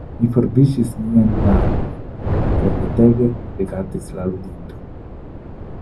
Mi forviŝis miajn larmojn kaj petege rigardis la ludinton.